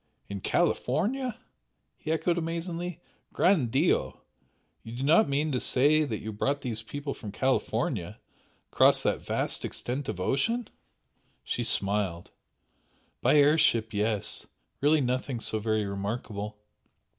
"In California!" he echoed amazedly "Gran' Dio! You do not mean to say that you brought these people from California, across that vast extent of ocean?" She smiled. "By air ship yes! Really nothing so very remarkable!